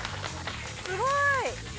すごい！